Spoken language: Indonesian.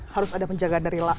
harus ada penjagaan dari